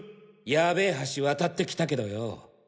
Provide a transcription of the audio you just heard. ヤベェ橋渡ってきたけどよォ。